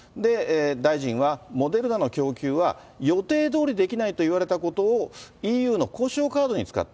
大臣はモデルナの供給は予定どおりできないと言われたことをＥＵの交渉カードに使った。